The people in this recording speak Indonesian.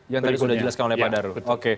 yang tadi sudah dijelaskan oleh pak darul